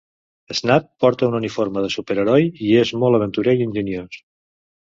Snap porta un uniforme de superheroi i és molt aventurer i enginyós.